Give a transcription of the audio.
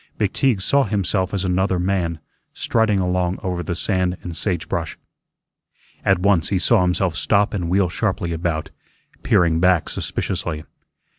McTeague saw himself as another man, striding along over the sand and sagebrush. At once he saw himself stop and wheel sharply about, peering back suspiciously.